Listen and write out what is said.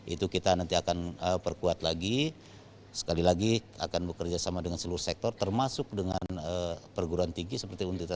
itu kita nanti akan perkuat lagi sekali lagi akan bekerja sama dengan seluruh sektor termasuk dengan perguruan tinggi seperti untta